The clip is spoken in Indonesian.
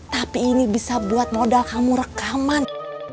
tapi ini bisa buat modal kamu rekaman